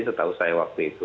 setahu saya waktu itu